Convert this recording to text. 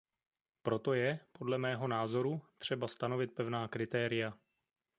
Proto je, podle mého názoru, třeba stanovit pevná kritéria.